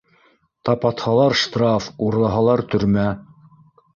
Тапатһалар - штраф, урлаһалар - төрмә!